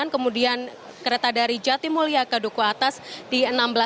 kemudian kereta dari jatimulya ke duku atas di enam belas